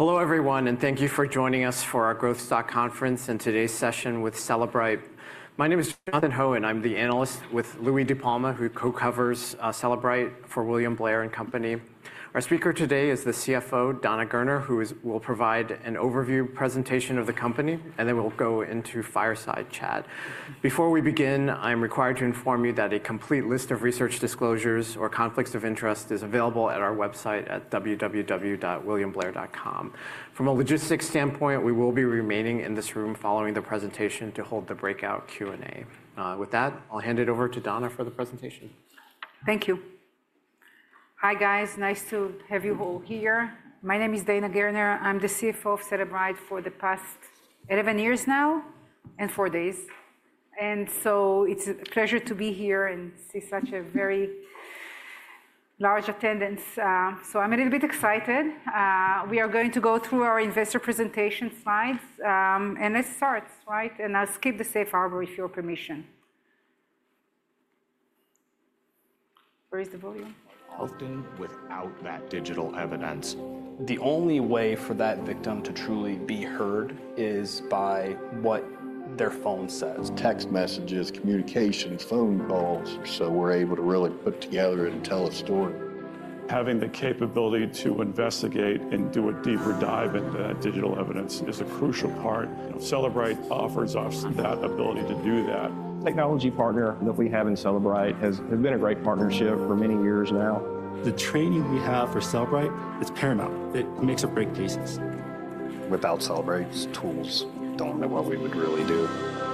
Hello, everyone, and thank you for joining us for our Growth Stock Conference and today's session with Cellebrite. My name is Jonathan Ho. I'm the analyst with Louis De Palma, who co-covers Cellebrite for William Blair and Company. Our speaker today is the CFO, Dana Gerner, who will provide an overview presentation of the company, and then we'll go into fireside chat. Before we begin, I'm required to inform you that a complete list of research disclosures or conflicts of interest is available at our website at www.williamblair.com. From a logistics standpoint, we will be remaining in this room following the presentation to hold the breakout Q&A. With that, I'll hand it over to Dana for the presentation. Thank you. Hi, guys. Nice to have you all here. My name is Dana Gerner. I'm the CFO of Cellebrite for the past 11 years now and four days. It's a pleasure to be here and see such a very large attendance. I'm a little bit excited. We are going to go through our investor presentation slides, let's start, right? I'll skip the safe harbor if your permission. Where is the volume? Often without that digital evidence, the only way for that victim to truly be heard is by what their phone says. Text messages, communications, phone calls. We are able to really put together and tell a story. Having the capability to investigate and do a deeper dive into that digital evidence is a crucial part. Cellebrite offers us that ability to do that. Technology partner that we have in Cellebrite has been a great partnership for many years now. The training we have for Cellebrite, it's paramount. It makes or breaks cases. Without Cellebrite's tools, I don't know what we would really do.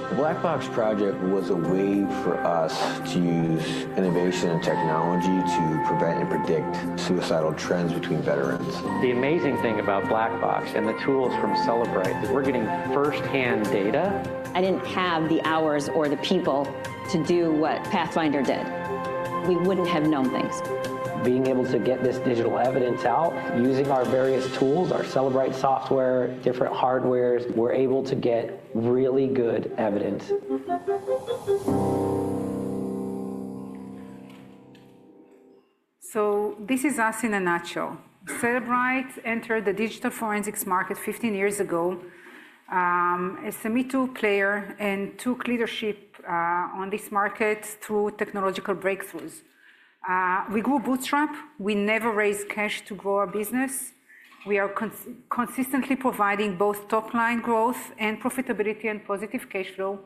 The Black Box project was a way for us to use innovation and technology to prevent and predict suicidal trends between veterans. The amazing thing about Black Box and the tools from Cellebrite is we're getting firsthand data. I didn't have the hours or the people to do what Pathfinder did. We wouldn't have known things. Being able to get this digital evidence out using our various tools, our Cellebrite software, different hardware, we're able to get really good evidence. This is us in a nutshell. Cellebrite entered the digital forensics market 15 years ago. It's a me-too player and took leadership on this market through technological breakthroughs. We grew bootstrap. We never raised cash to grow our business. We are consistently providing both top-line growth and profitability and positive cash flow.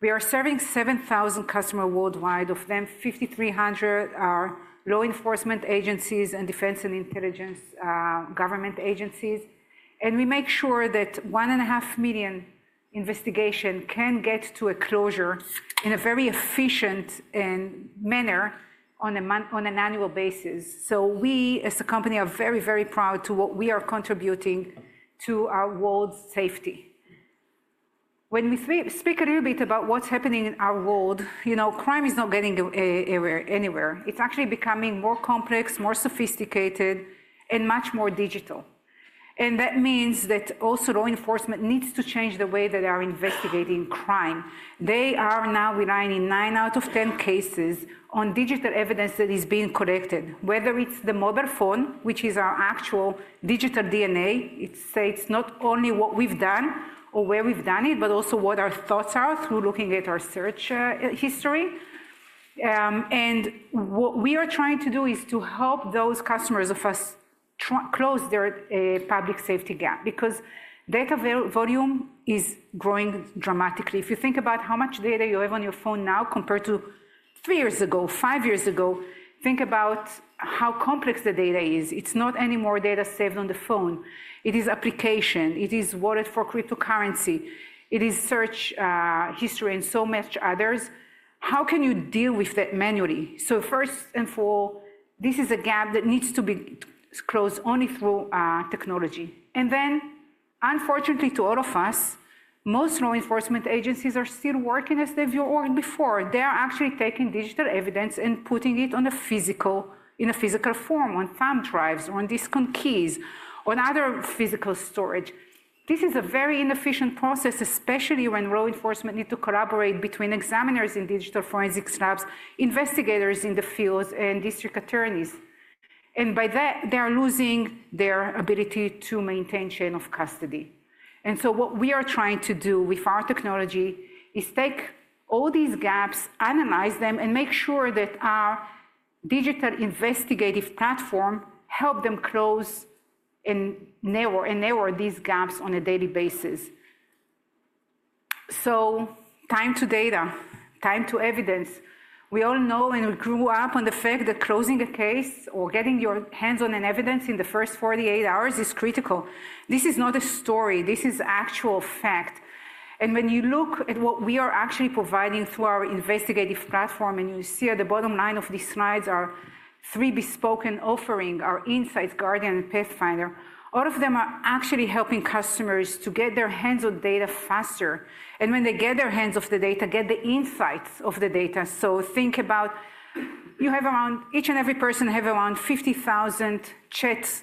We are serving 7,000 customers worldwide. Of them, 5,300 are law enforcement agencies and defense and intelligence government agencies. We make sure that one and a half million investigations can get to a closure in a very efficient manner on an annual basis. We, as a company, are very, very proud of what we are contributing to our world's safety. When we speak a little bit about what's happening in our world, you know, crime is not getting anywhere. It's actually becoming more complex, more sophisticated, and much more digital. That means that also law enforcement needs to change the way that they are investigating crime. They are now relying in 9 out of 10 cases on digital evidence that is being collected, whether it's the mobile phone, which is our actual digital DNA. It's not only what we've done or where we've done it, but also what our thoughts are through looking at our search history. What we are trying to do is to help those customers of us close their public safety gap because data volume is growing dramatically. If you think about how much data you have on your phone now compared to three years ago, five years ago, think about how complex the data is. It's not any more data saved on the phone. It is application. It is wallet for cryptocurrency. It is search history and so much others. How can you deal with that manually? First and for all, this is a gap that needs to be closed only through technology. Unfortunately to all of us, most law enforcement agencies are still working as they were before. They are actually taking digital evidence and putting it in a physical form, on thumb drives, or on disk-on-keys, or other physical storage. This is a very inefficient process, especially when law enforcement needs to collaborate between examiners in digital forensics labs, investigators in the field, and district attorneys. By that, they are losing their ability to maintain chain of custody. What we are trying to do with our technology is take all these gaps, analyze them, and make sure that our digital investigative platform helps them close and narrow these gaps on a daily basis. Time to data, time to evidence. We all know and we grew up on the fact that closing a case or getting your hands on an evidence in the first 48 hours is critical. This is not a story. This is actual fact. When you look at what we are actually providing through our investigative platform, and you see at the bottom line of these slides are three bespoke and offering our Inseyets, Guardian, and Pathfinder. All of them are actually helping customers to get their hands on data faster. When they get their hands off the data, get the insights of the data. Think about you have around each and every person has around 50,000 chats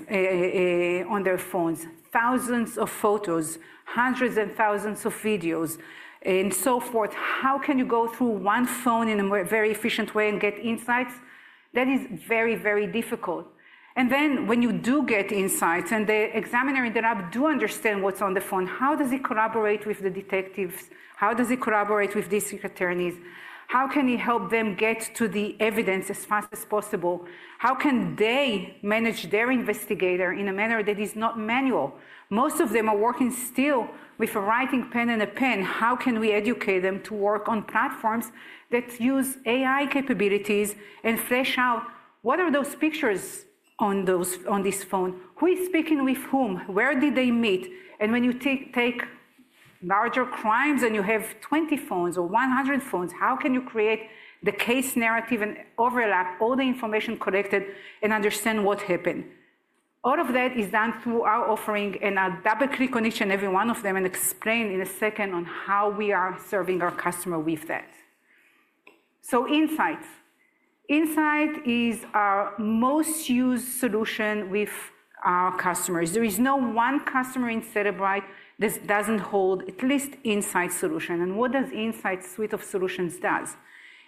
on their phones, thousands of photos, hundreds and thousands of videos, and so forth. How can you go through one phone in a very efficient way and get insights? That is very, very difficult. When you do get insights and the examiner in the lab does understand what's on the phone, how does he collaborate with the detectives? How does he collaborate with district attorneys? How can he help them get to the evidence as fast as possible? How can they manage their investigator in a manner that is not manual? Most of them are working still with a writing pen and a pen. How can we educate them to work on platforms that use AI capabilities and flesh out what are those pictures on this phone? Who is speaking with whom? Where did they meet? When you take larger crimes and you have 20 phones or 100 phones, how can you create the case narrative and overlap all the information collected and understand what happened? All of that is done through our offering and our double-click connection, every one of them, and explain in a second on how we are serving our customer with that. Inseyets. Inseyets is our most used solution with our customers. There is no one customer in Cellebrite that does not hold at least Inseyets solution. What does Inseyets suite of solutions do?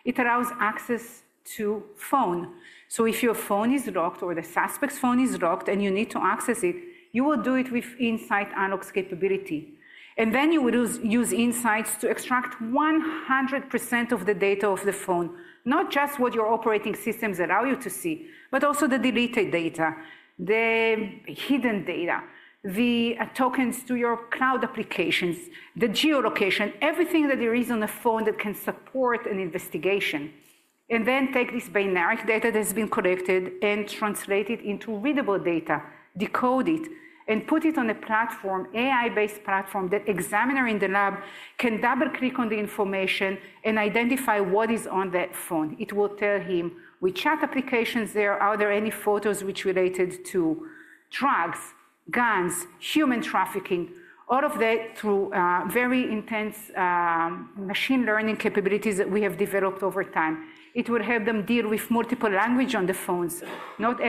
It allows access to phone. If your phone is locked or the suspect's phone is locked and you need to access it, you will do it with Inseyets unlock capability. You will use Inseyets to extract 100% of the data of the phone, not just what your operating systems allow you to see, but also the deleted data, the hidden data, the tokens to your cloud applications, the geolocation, everything that there is on the phone that can support an investigation. Take this binary data that has been collected and translated into readable data, decode it, and put it on a platform, AI-based platform, that examiner in the lab can double-click on the information and identify what is on that phone. It will tell him which chat applications there are. Are there any photos which related to drugs, guns, human trafficking? All of that through very intense machine learning capabilities that we have developed over time. It will help them deal with multiple languages on the phones. Not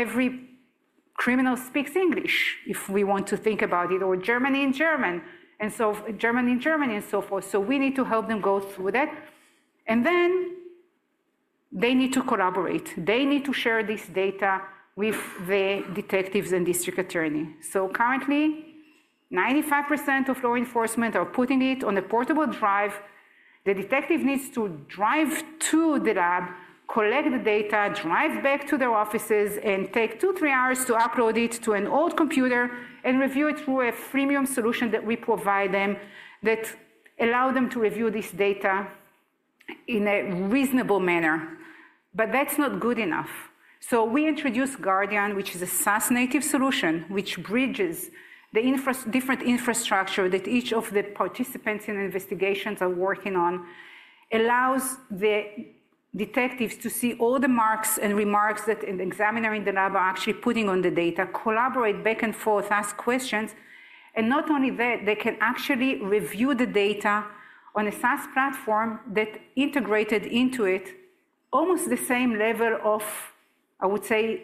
every criminal speaks English, if we want to think about it, or German in Germany and so forth. We need to help them go through that. They need to collaborate. They need to share this data with the detectives and district attorney. Currently, 95% of law enforcement are putting it on a portable drive. The detective needs to drive to the lab, collect the data, drive back to their offices, and take two, three hours to upload it to an old computer and review it through a freemium solution that we provide them that allows them to review this data in a reasonable manner. That is not good enough. We introduced Guardian, which is a SaaS-native solution, which bridges the different infrastructure that each of the participants in investigations are working on, allows the detectives to see all the marks and remarks that the examiner in the lab are actually putting on the data, collaborate back and forth, ask questions. Not only that, they can actually review the data on a SaaS platform that integrated into it almost the same level of, I would say,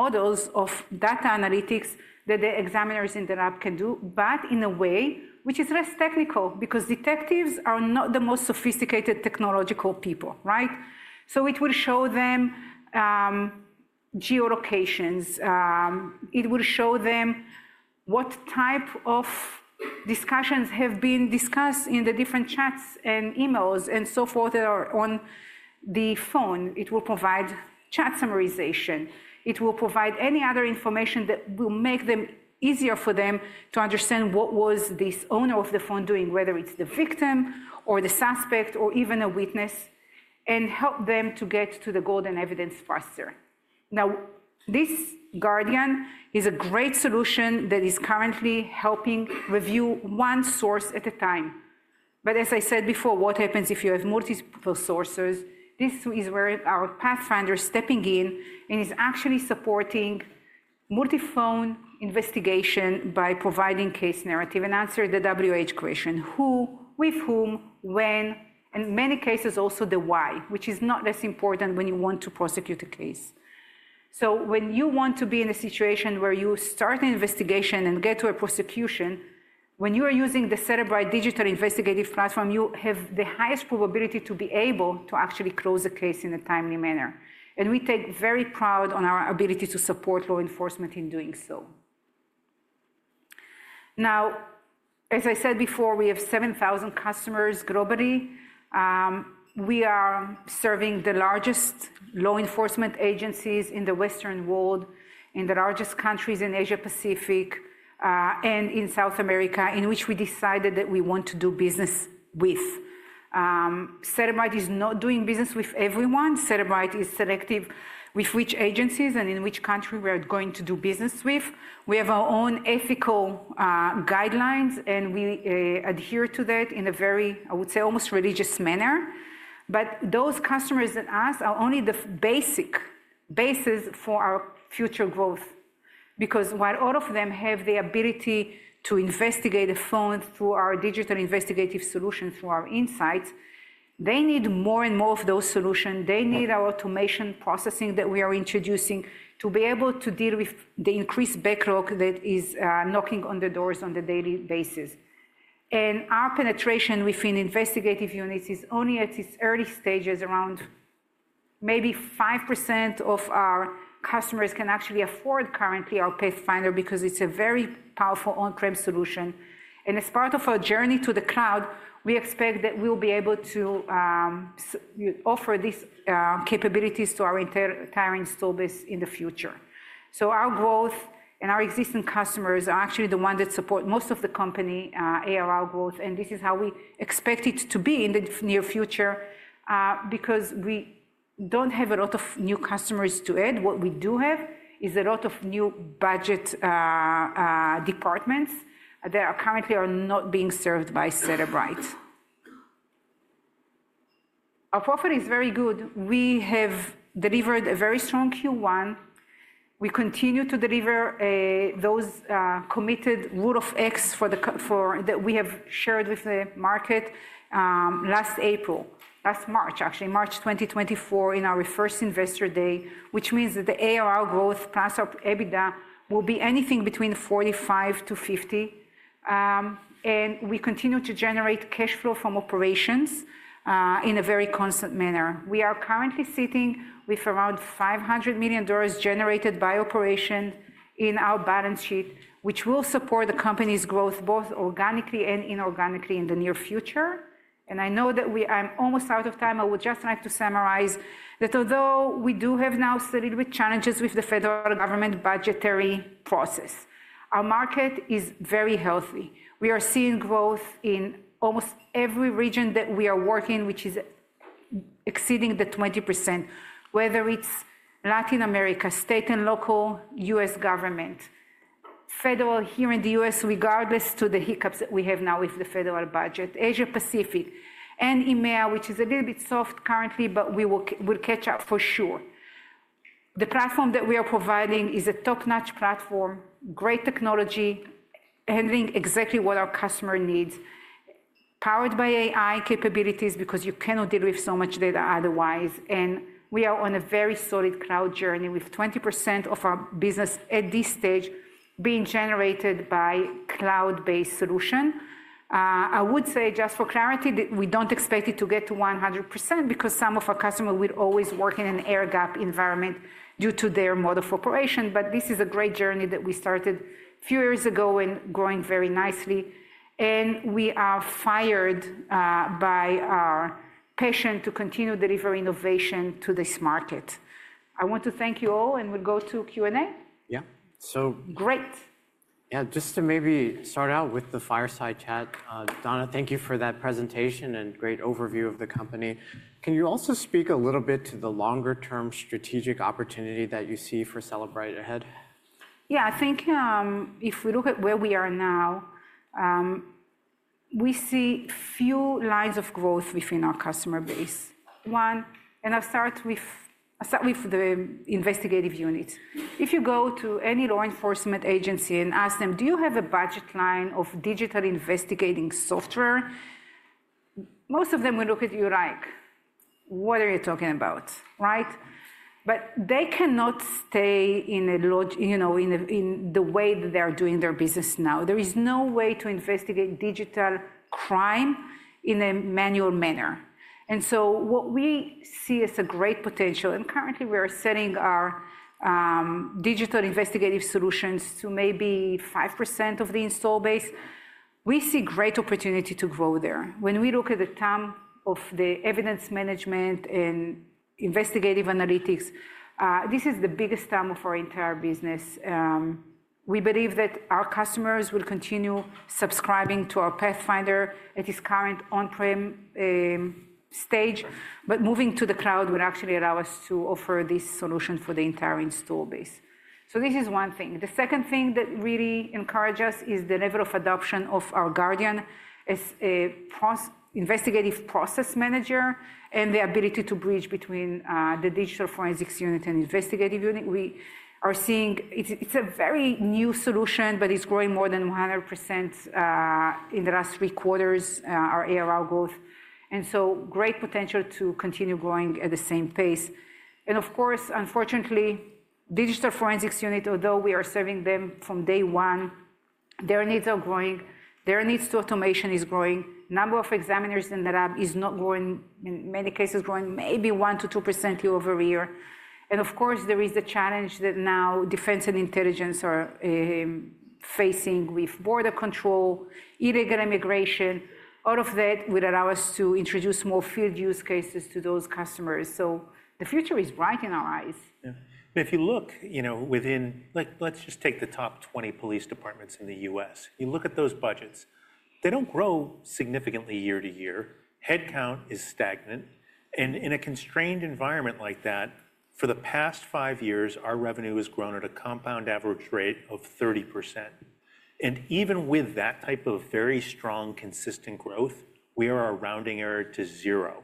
models of data analytics that the examiners in the lab can do, but in a way which is less technical because detectives are not the most sophisticated technological people, right? It will show them geolocations. It will show them what type of discussions have been discussed in the different chats and emails and so forth that are on the phone. It will provide chat summarization. It will provide any other information that will make it easier for them to understand what was this owner of the phone doing, whether it's the victim or the suspect or even a witness, and help them to get to the golden evidence faster. Now, this Guardian is a great solution that is currently helping review one source at a time. But as I said before, what happens if you have multiple sources? This is where our Pathfinder is stepping in and is actually supporting multi-phone investigation by providing case narrative and answer the WH question: who, with whom, when, and in many cases, also the why, which is not less important when you want to prosecute a case. So when you want to be in a situation where you start an investigation and get to a prosecution, when you are using the Cellebrite digital investigative platform, you have the highest probability to be able to actually close a case in a timely manner. And we take very proud on our ability to support law enforcement in doing so. Now, as I said before, we have 7,000 customers globally. We are serving the largest law enforcement agencies in the Western world, in the largest countries in Asia-Pacific, and in South America, in which we decided that we want to do business with. Cellebrite is not doing business with everyone. Cellebrite is selective with which agencies and in which country we are going to do business with. We have our own ethical guidelines, and we adhere to that in a very, I would say, almost religious manner. Those customers and us are only the basic basis for our future growth because while all of them have the ability to investigate a phone through our digital investigative solution, through our Inseyets, they need more and more of those solutions. They need our automation processing that we are introducing to be able to deal with the increased backlog that is knocking on the doors on a daily basis. Our penetration within investigative units is only at its early stages. Around maybe 5% of our customers can actually afford currently our Pathfinder because it's a very powerful on-premise solution. As part of our journey to the cloud, we expect that we'll be able to offer these capabilities to our entire install base in the future. Our growth and our existing customers are actually the ones that support most of the company ARR growth. This is how we expect it to be in the near future because we don't have a lot of new customers to add. What we do have is a lot of new budget departments that currently are not being served by Cellebrite. Our profit is very good. We have delivered a very strong Q1. We continue to deliver those committed rule of X that we have shared with the market last April, last March, actually March 2024, in our first investor day, which means that the ARR growth plus EBITDA will be anything between 45%-50%. We continue to generate cash flow from operations in a very constant manner. We are currently sitting with around $500 million generated by operation in our balance sheet, which will support the company's growth both organically and inorganically in the near future. I know that I'm almost out of time. I would just like to summarize that although we do have now a little bit of challenges with the federal government budgetary process, our market is very healthy. We are seeing growth in almost every region that we are working, which is exceeding the 20%, whether it's Latin America, state and local, U.S. government, federal here in the U.S., regardless of the hiccups that we have now with the federal budget, Asia-Pacific, and EMEA, which is a little bit soft currently, but we will catch up for sure. The platform that we are providing is a top-notch platform, great technology, handling exactly what our customer needs, powered by AI capabilities because you cannot deal with so much data otherwise. We are on a very solid cloud journey with 20% of our business at this stage being generated by cloud-based solution. I would say just for clarity that we don't expect it to get to 100% because some of our customers will always work in an air gap environment due to their mode of operation. This is a great journey that we started a few years ago and growing very nicely. We are fired by our passion to continue delivering innovation to this market. I want to thank you all, and we'll go to Q&A. Yeah. Just to maybe start out with the fireside chat, Dana, thank you for that presentation and great overview of the company. Can you also speak a little bit to the longer-term strategic opportunity that you see for Cellebrite ahead? Yeah. I think if we look at where we are now, we see a few lines of growth within our customer base. One, and I'll start with the investigative unit. If you go to any law enforcement agency and ask them, "Do you have a budget line of digital investigating software?" Most of them will look at you like, "What are you talking about?" Right? They cannot stay in the way that they are doing their business now. There is no way to investigate digital crime in a manual manner. What we see is a great potential. Currently, we are setting our digital investigative solutions to maybe 5% of the install base. We see great opportunity to grow there. When we look at the term of the evidence management and investigative analytics, this is the biggest term of our entire business. We believe that our customers will continue subscribing to our Pathfinder at its current on-premise stage, but moving to the cloud will actually allow us to offer this solution for the entire install base. This is one thing. The second thing that really encourages us is the level of adoption of our Guardian as an investigative process manager and the ability to bridge between the digital forensics unit and investigative unit. We are seeing it's a very new solution, but it's growing more than 100% in the last three quarters, our ARR growth. Great potential to continue growing at the same pace. Of course, unfortunately, digital forensics unit, although we are serving them from day one, their needs are growing. Their needs to automation are growing. The number of examiners in the lab is not growing, in many cases growing maybe 1%-2% year-over-year. There is the challenge that now defense and intelligence are facing with border control, illegal immigration. All of that would allow us to introduce more field use cases to those customers. The future is bright in our eyes. Yeah. If you look within, let's just take the top 20 police departments in the U.S. You look at those budgets. They do not grow significantly year to year. Headcount is stagnant. In a constrained environment like that, for the past five years, our revenue has grown at a compound average rate of 30%. Even with that type of very strong, consistent growth, we are rounding error to zero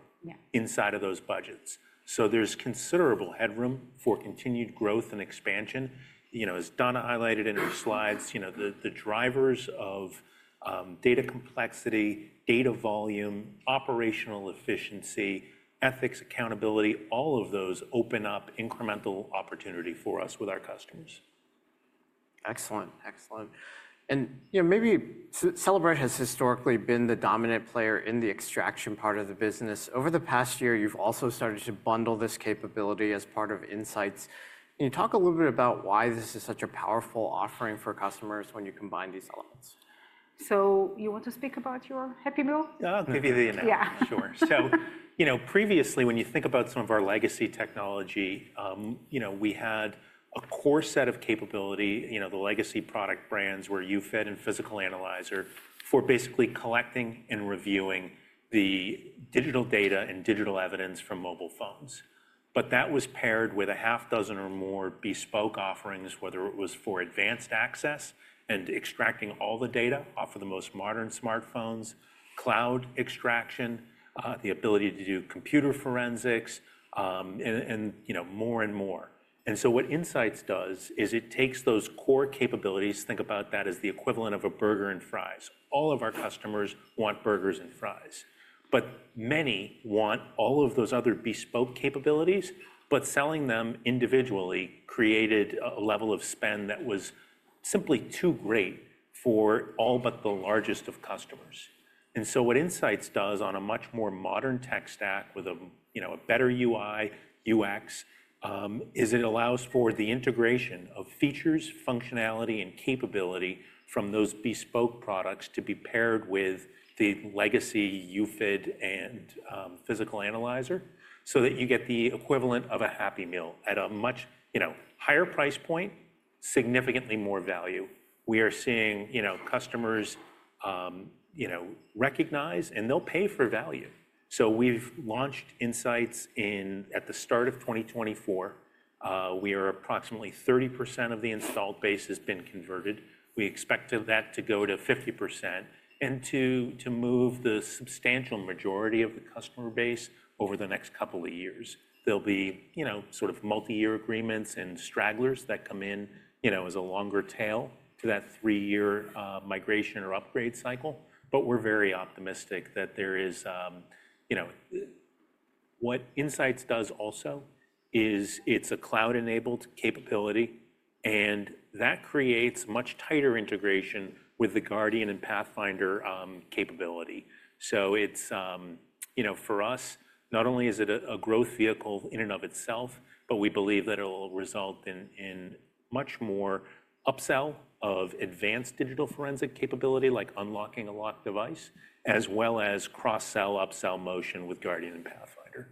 inside of those budgets. There is considerable headroom for continued growth and expansion. As Dana highlighted in her slides, the drivers of data complexity, data volume, operational efficiency, ethics, accountability, all of those open up incremental opportunity for us with our customers. Excellent. Excellent. Maybe Cellebrite has historically been the dominant player in the extraction part of the business. Over the past year, you've also started to bundle this capability as part of Inseyets. Can you talk a little bit about why this is such a powerful offering for customers when you combine these elements? You want to speak about your happy meal? Yeah. Maybe the end. Yeah. Sure. Previously, when you think about some of our legacy technology, we had a core set of capability, the legacy product brands were UFED and Physical Analyzer for basically collecting and reviewing the digital data and digital evidence from mobile phones. That was paired with a half dozen or more bespoke offerings, whether it was for advanced access and extracting all the data off of the most modern smartphones, cloud extraction, the ability to do computer forensics, and more and more. What Inseyets does is it takes those core capabilities. Think about that as the equivalent of a burger and fries. All of our customers want burgers and fries. Many want all of those other bespoke capabilities, but selling them individually created a level of spend that was simply too great for all but the largest of customers. What Inseyets does on a much more modern tech stack with a better UI, UX is it allows for the integration of features, functionality, and capability from those bespoke products to be paired with the legacy UFED and Physical Analyzer so that you get the equivalent of a happy meal at a much higher price point, significantly more value. We are seeing customers recognize, and they'll pay for value. We have launched Inseyets at the start of 2024. Approximately 30% of the installed base has been converted. We expect that to go to 50% and to move the substantial majority of the customer base over the next couple of years. There'll be sort of multi-year agreements and stragglers that come in as a longer tail to that three-year migration or upgrade cycle. We are very optimistic that there is. What Inseyets does also is it's a cloud-enabled capability, and that creates much tighter integration with the Guardian and Pathfinder capability. For us, not only is it a growth vehicle in and of itself, but we believe that it'll result in much more upsell of advanced digital forensic capability, like unlocking a locked device, as well as cross-sell, upsell motion with Guardian and Pathfinder.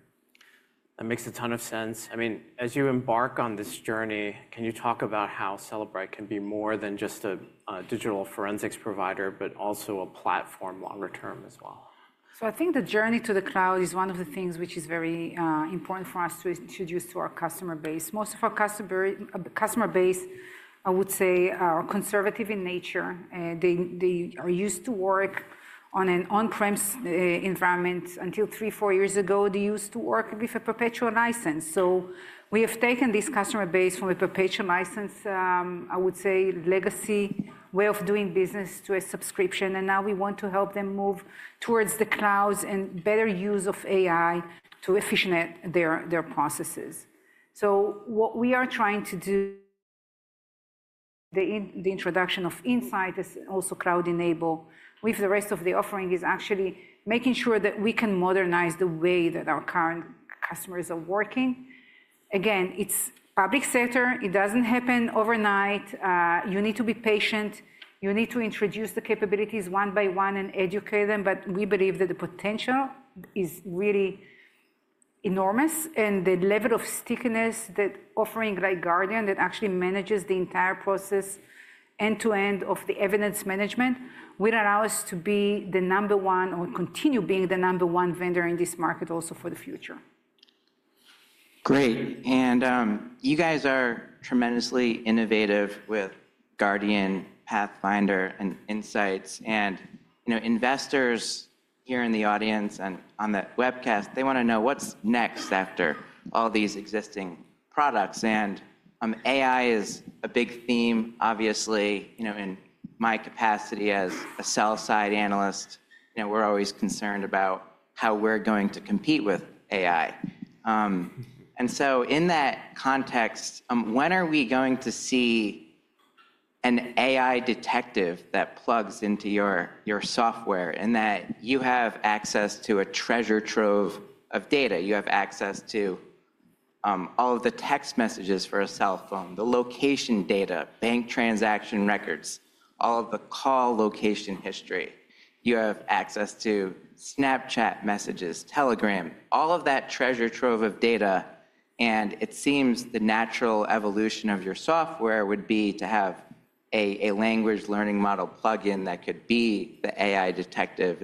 That makes a ton of sense. I mean, as you embark on this journey, can you talk about how Cellebrite can be more than just a digital forensics provider, but also a platform longer term as well? I think the journey to the cloud is one of the things which is very important for us to introduce to our customer base. Most of our customer base, I would say, are conservative in nature. They are used to work on an on-premise environment. Until three, four years ago, they used to work with a perpetual license. We have taken this customer base from a perpetual license, I would say, legacy way of doing business to a subscription. Now we want to help them move towards the cloud and better use of AI to efficientize their processes. What we are trying to do, the introduction of Inseyets is also cloud-enabled. With the rest of the offering is actually making sure that we can modernize the way that our current customers are working. Again, it's public sector. It doesn't happen overnight. You need to be patient. You need to introduce the capabilities one by one and educate them. We believe that the potential is really enormous. The level of stickiness that offering like Guardian that actually manages the entire process end-to-end of the evidence management will allow us to be the number one or continue being the number one vendor in this market also for the future. Great. You guys are tremendously innovative with Guardian, Pathfinder, and Inseyets. Investors here in the audience and on that webcast, they want to know what's next after all these existing products. AI is a big theme, obviously, in my capacity as a sell-side analyst. We're always concerned about how we're going to compete with AI. In that context, when are we going to see an AI detective that plugs into your software and that you have access to a treasure trove of data? You have access to all of the text messages for a cell phone, the location data, bank transaction records, all of the call location history. You have access to Snapchat messages, Telegram, all of that treasure trove of data. It seems the natural evolution of your software would be to have a language learning model plug-in that could be the AI detective.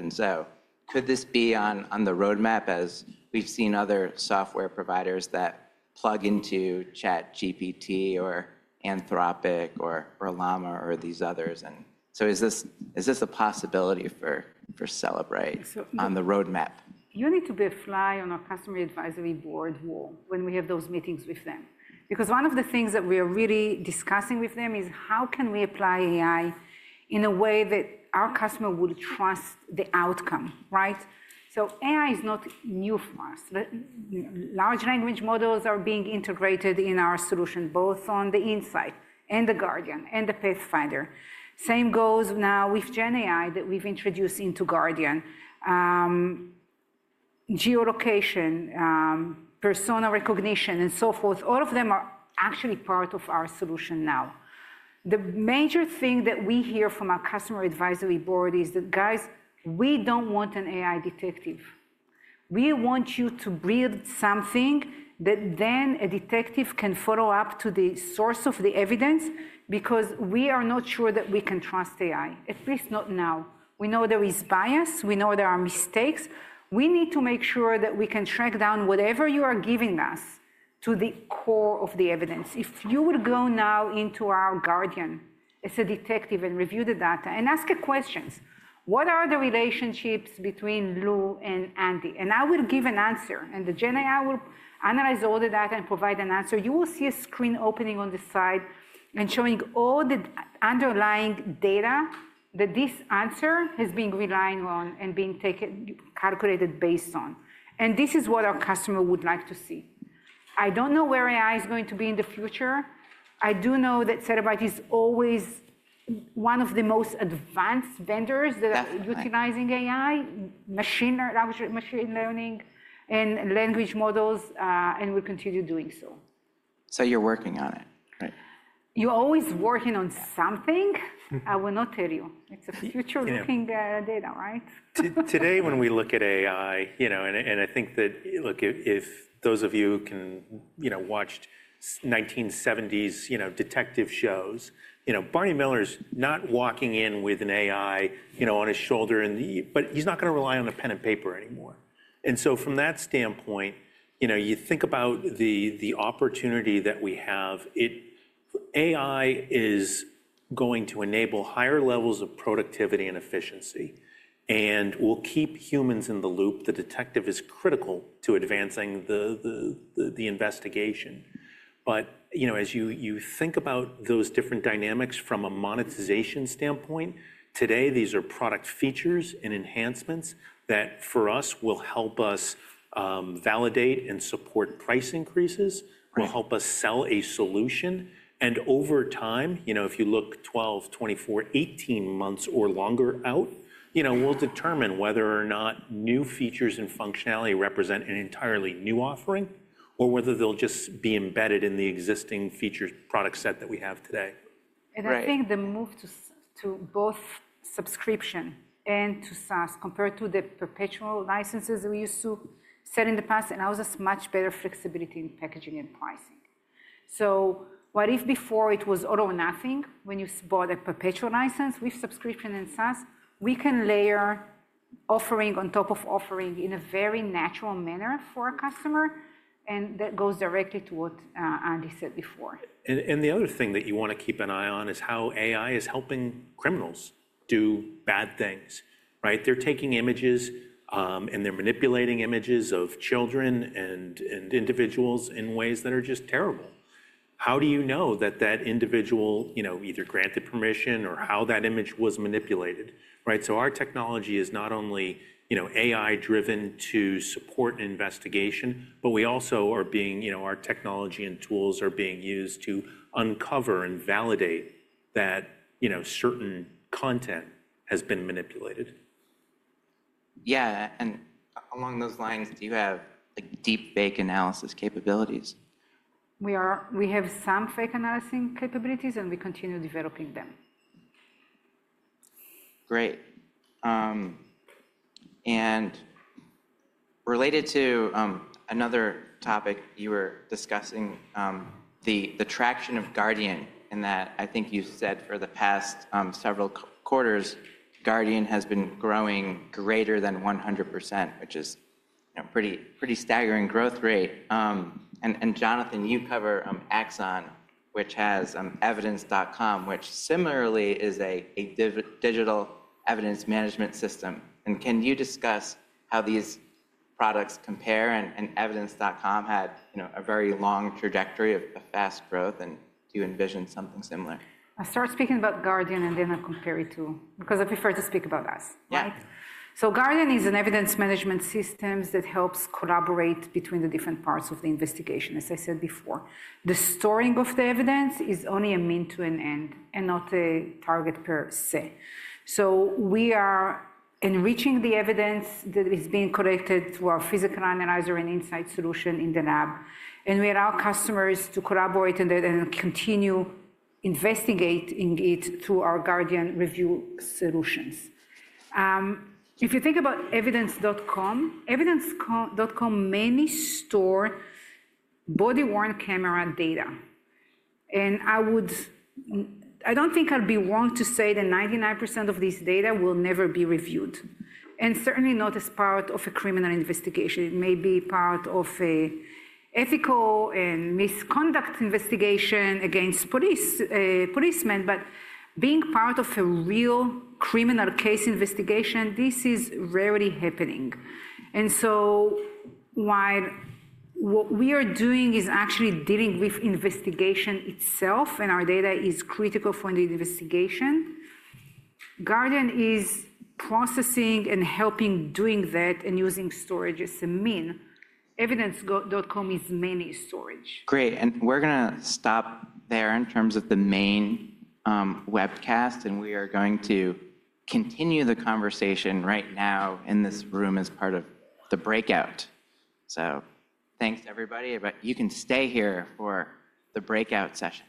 Could this be on the roadmap as we've seen other software providers that plug into ChatGPT or Anthropic or Llama or these others? Is this a possibility for Cellebrite on the roadmap? You need to be a fly on our customer advisory board wall when we have those meetings with them. Because one of the things that we are really discussing with them is how can we apply AI in a way that our customer will trust the outcome, right? AI is not new for us. Large language models are being integrated in our solution, both on the Inseyets and the Guardian and the Pathfinder. Same goes now with GenAI that we've introduced into Guardian. Geolocation, persona recognition, and so forth. All of them are actually part of our solution now. The major thing that we hear from our customer advisory board is that, guys, we don't want an AI detective. We want you to build something that then a detective can follow up to the source of the evidence because we are not sure that we can trust AI, at least not now. We know there is bias. We know there are mistakes. We need to make sure that we can track down whatever you are giving us to the core of the evidence. If you would go now into our Guardian as a detective and review the data and ask the questions, what are the relationships between Louie and Andy? I will give an answer. The GenAI will analyze all the data and provide an answer. You will see a screen opening on the side and showing all the underlying data that this answer has been relying on and being calculated based on. This is what our customer would like to see. I don't know where AI is going to be in the future. I do know that Cellebrite is always one of the most advanced vendors that are utilizing AI, machine learning, and language models, and will continue doing so. You're working on it, right? You're always working on something. I will not tell you. It's a future-looking data, right? Today, when we look at AI, and I think that, look, if those of you who can watch 1970s detective shows, Barney Miller is not walking in with an AI on his shoulder, but he's not going to rely on a pen and paper anymore. From that standpoint, you think about the opportunity that we have. AI is going to enable higher levels of productivity and efficiency and will keep humans in the loop. The detective is critical to advancing the investigation. As you think about those different dynamics from a monetization standpoint, today, these are product features and enhancements that for us will help us validate and support price increases, will help us sell a solution. Over time, if you look 12, 24, 18 months or longer out, we'll determine whether or not new features and functionality represent an entirely new offering or whether they'll just be embedded in the existing feature product set that we have today. I think the move to both subscription and to SaaS compared to the perpetual licenses we used to sell in the past allows us much better flexibility in packaging and pricing. If before it was all or nothing when you bought a perpetual license, with subscription and SaaS, we can layer offering on top of offering in a very natural manner for a customer. That goes directly to what Andy said before. The other thing that you want to keep an eye on is how AI is helping criminals do bad things, right? They're taking images and they're manipulating images of children and individuals in ways that are just terrible. How do you know that that individual either granted permission or how that image was manipulated, right? Our technology is not only AI-driven to support investigation, but our technology and tools are being used to uncover and validate that certain content has been manipulated. Yeah. Along those lines, do you have deep fake analysis capabilities? We have some fake analysis capabilities, and we continue developing them. Great. Related to another topic, you were discussing the traction of Guardian in that I think you said for the past several quarters, Guardian has been growing greater than 100%, which is a pretty staggering growth rate. Jonathan, you cover Axon, which has evidence.com, which similarly is a digital evidence management system. Can you discuss how these products compare? Evidence.com had a very long trajectory of fast growth. Do you envision something similar? I'll start speaking about Guardian and then I'll compare it too because I prefer to speak about us, right? Guardian is an evidence management system that helps collaborate between the different parts of the investigation, as I said before. The storing of the evidence is only a means to an end and not a target per se. We are enriching the evidence that is being collected through our Physical Analyzer and Inseyets solution in the lab. We allow customers to collaborate and continue investigating it through our Guardian review solutions. If you think about evidence.com, evidence.com mainly stores body-worn camera data. I do not think I will be wrong to say that 99% of this data will never be reviewed, and certainly not as part of a criminal investigation. It may be part of an ethical and misconduct investigation against policemen, but being part of a real criminal case investigation, this is rarely happening. While what we are doing is actually dealing with investigation itself and our data is critical for the investigation, Guardian is processing and helping doing that and using storage as a means. Evidence.com is mainly storage. Great. We are going to stop there in terms of the main webcast. We are going to continue the conversation right now in this room as part of the breakout. Thanks, everybody. You can stay here for the breakout session.